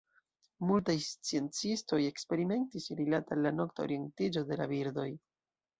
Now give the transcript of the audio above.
Multaj sciencistoj eksperimentis rilate al la nokta orientiĝo de la birdoj.